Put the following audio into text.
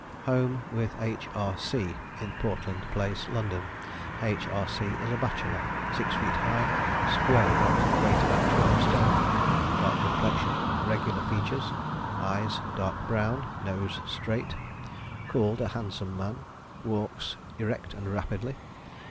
Home with H. R. C., in Portland Place, London. H. R. C. is a bachelor, 6 ft. high, squarely built, weight about 12 stone. Dark complexion, regular features. Eyes dark brown; nose straight. Called a handsome man; walks erect and rapidly.